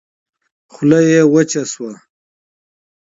خوله يې وچه شوه.